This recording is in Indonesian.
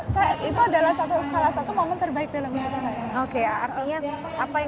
dan itu adalah salah satu momen terbaik dalam hidup saya